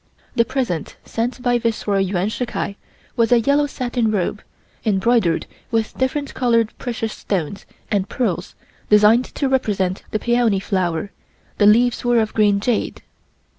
The present sent by Viceroy Yuan Shih Kai was a yellow satin robe, embroidered with different colored precious stones and pearls designed to represent the peony flower; the leaves were of green jade.